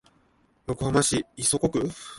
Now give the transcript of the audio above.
横浜市磯子区